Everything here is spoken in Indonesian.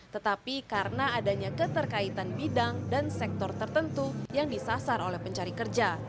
tetapi karena adanya keterkaitan bidang dan sektor tertentu yang disasar oleh pencari kerja